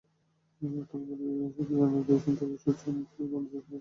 তারপরই ইসিবি জানিয়ে দিয়েছে আগের সূচি অনুযায়ী বাংলাদেশ সফর করবে ইংল্যান্ড।